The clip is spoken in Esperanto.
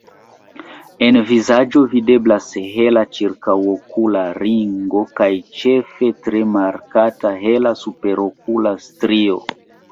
En vizaĝo videblas hela ĉirkaŭokula ringo kaj ĉefe tre markata hela superokula strio.